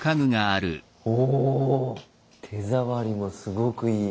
お手触りもすごくいい。